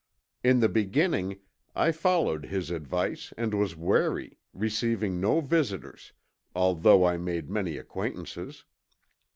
In the beginning I followed his advice and was wary, receiving no visitors, although I made many acquaintances.